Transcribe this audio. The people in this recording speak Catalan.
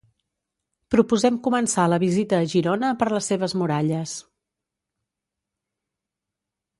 Proposem començar la visita a Girona per les seves muralles.